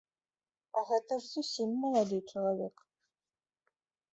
А гэта ж зусім малады чалавек.